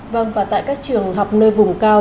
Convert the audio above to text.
vâng và tại các trường học nơi vùng cao